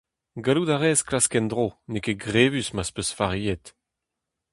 Gallout a rez klask en-dro, n'eo ket grevus ma'z peus faziet.